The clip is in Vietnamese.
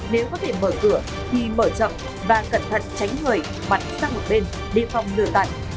nếu có thể mở cửa thì mở chậm và cẩn thận tránh người mặt sang một bên để phòng lửa tặn